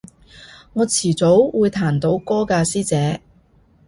我遲早會彈到歌㗎師姐